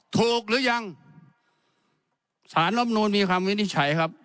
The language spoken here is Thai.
หรือยังสารรำนูนมีคำวินิจฉัยครับ